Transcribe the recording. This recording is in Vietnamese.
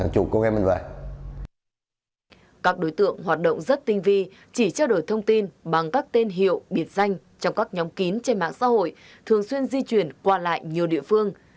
các đối tượng hoạt động rất tinh vi chỉ trao đổi thông tin bằng các tên hiệu biệt danh trong các nhóm kín trên mạng xã hội thường xuyên di chuyển qua lại nhiều địa phương